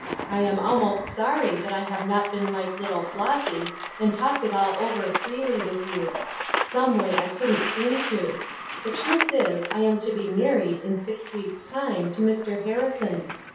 I am almost sorry that I have not been like Kttle Flossy, and talked it all over freely with you. Someway I couldn't seem to. The truth is, I am to be married, in six week's time, to Mr. Harrison.